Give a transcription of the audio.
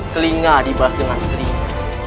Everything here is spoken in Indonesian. kelinga dibalas dengan kelinga